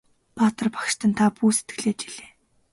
Баатар багштан та бүү сэтгэлээ чилээ!